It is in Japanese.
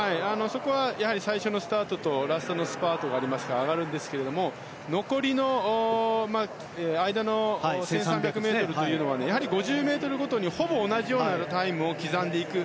そこは最初のスタートとラストスパートがありますから上がるんですけども残りの間の１３００ｍというのはやはり５０ｍごとにほぼ同じようなタイムを刻んでいく。